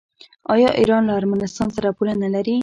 آیا ایران له ارمنستان سره پوله نلري؟